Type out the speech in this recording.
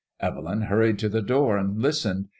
*' Evelyn hurried to the door and listened.